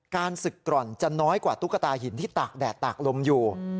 ศึกกร่อนจะน้อยกว่าตุ๊กตาหินที่ตากแดดตากลมอยู่